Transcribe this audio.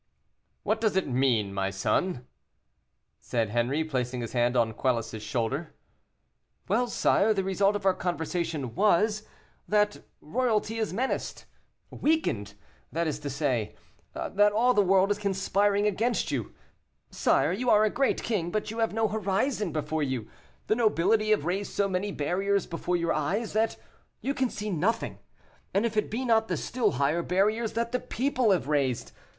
"What does it mean, my son?" said Henri, placing his hand on Quelus's shoulder. "Well, sire, the result of our conversation was, that royalty is menaced weakened, that is to say, that all the world is conspiring against you. Sire, you are a great king, but you have no horizon before you; the nobility have raised so many barriers before your eyes, that you can see nothing, if it be not the still higher barriers that the people have raised.